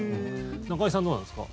中居さんはどうなんですか？